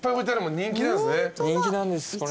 人気なんですこれ。